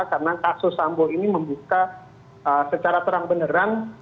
karena kasus sambo ini membuka secara terang beneran